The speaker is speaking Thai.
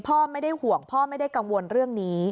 พ่อไม่ได้ห่วงพ่อไม่ได้กังวลเรื่องนี้